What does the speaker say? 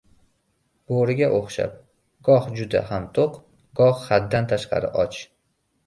• Bo‘riga o‘xshab: goh juda ham to‘q, goh haddan tashqari och.